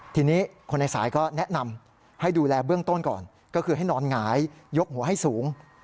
ทีนี้คนในสายก็แนะนำให้ดูแลเบื้องต้นก่อนก็คือให้นอนหงายยกหัวให้สูง